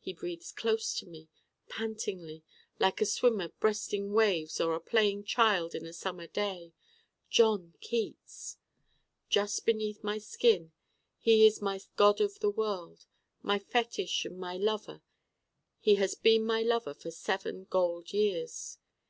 He breathes close to me, pantingly, like a swimmer breasting waves or a playing child in a summer day. John Keats! Just Beneath My Skin he is my God of the World, my Fetich and my Lover. He has been my Lover for seven gold years.